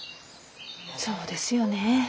そうですよね。